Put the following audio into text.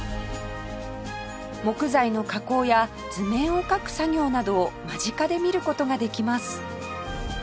木材の加工や図面を描く作業などを間近で見る事ができます